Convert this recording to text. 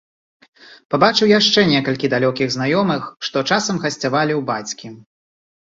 Пабачыў яшчэ некалькіх далёкіх знаёмых, што часам гасцявалі ў бацькі.